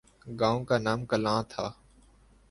گاؤں کا نام کلاں تھا ۔